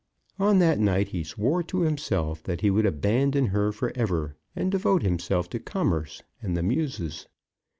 On that night he swore to himself that he would abandon her for ever, and devote himself to commerce and the Muses.